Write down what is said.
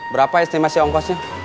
berapa estimasi ongkosnya